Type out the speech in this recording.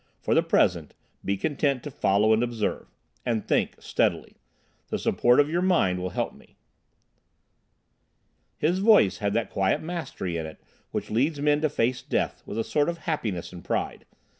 For the present—be content to follow and observe. And think, steadily. The support of your mind will help me." His voice had that quiet mastery in it which leads men to face death with a sort of happiness and pride.